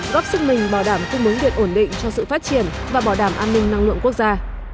góp sức mình bảo đảm cung ứng điện ổn định cho sự phát triển và bảo đảm an ninh năng lượng quốc gia